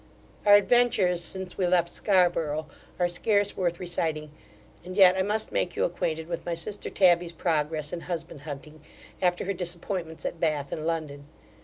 Our adventures since we left Scarborough, are scarce worth reciting; and yet I must make you acquainted with my sister Tabby's progress in husband hunting, after her disappointments at Bath and London.